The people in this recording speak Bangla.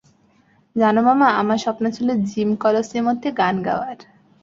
জানো মামা, আমার স্বপ্ন ছিল জিম কলোসিমোতে গান গাওয়ার।